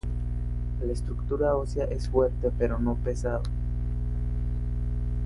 La estructura ósea es fuerte pero no pesado.